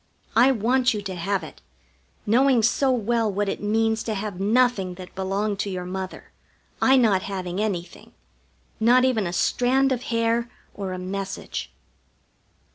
I want you to have it, knowing so well what it means to have nothing that belonged to your mother, I not having anything not even a strand of hair or a message.